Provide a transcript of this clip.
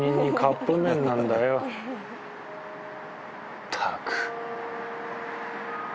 ったく。